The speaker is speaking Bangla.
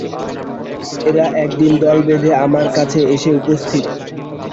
এরা একদিন দল বেঁধে আমার কাছে এসে উপস্থিত।